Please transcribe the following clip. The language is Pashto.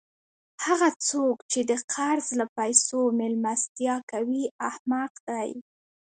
هغه څوک، چي د قرض له پېسو میلمستیا کوي؛ احمق دئ!